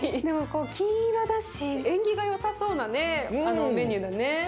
でもこう金色だし縁起が良さそうなねメニューだね。